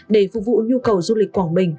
để phục vụ nhu cầu du lịch quảng bình